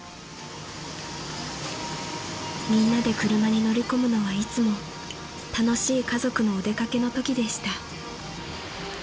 ［みんなで車に乗り込むのはいつも楽しい家族のお出掛けのときでした］